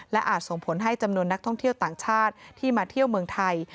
อาจส่งผลให้จำนวนนักท่องเที่ยวต่างชาติที่มาเที่ยวเมืองไทย